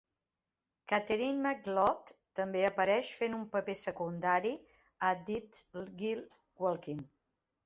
Catherine McLeod també apareix fent un paper secundari a "Dead Girl Walking".